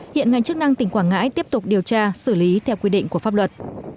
hiện ngành chức năng tỉnh quảng ngãi tiếp tục điều tra xử lý theo quy định của pháp luật